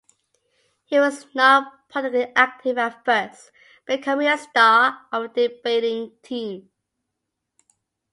He was not politically active at first, becoming a "star" of the debating team.